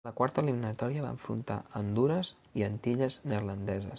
La quarta eliminatòria va enfrontar a Hondures i a Antilles Neerlandeses.